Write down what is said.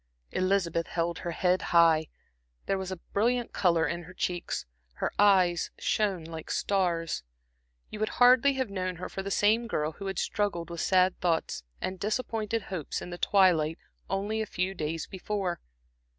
Elizabeth held her head high, there was a brilliant color in her cheeks, her eyes shone like stars. You would hardly have known her for the same girl who had struggled with sad thoughts and disappointed hopes in the twilight only a few days before.